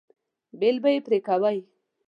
بیل به یې پرې کوئ.